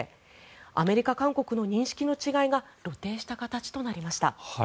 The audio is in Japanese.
アメリカ、韓国の認識の違いが露呈した形となりました。